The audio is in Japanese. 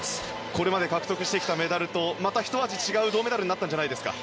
これまで獲得してきたメダルとひと味違う銅メダルになったんじゃないですか。